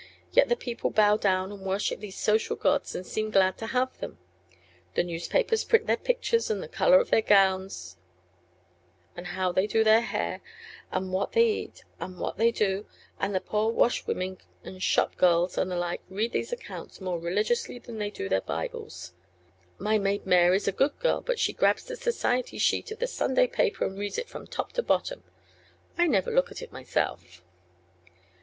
Yet the people bow down and worship these social gods and seem glad to have them. The newspapers print their pictures and the color of their gowns and how they do their hair and what they eat and what they do, and the poor washwomen and shop girls and their like read these accounts more religiously than they do their bibles. My maid Mary's a good girl, but she grabs the society sheet of the Sunday paper and reads it from top to bottom. I never look at it myself."